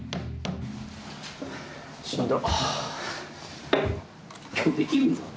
しんど。